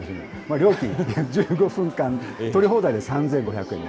料金、１５分間撮り放題で３５００円。